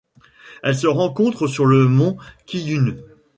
Elle se rencontre sur le mont Qiyun.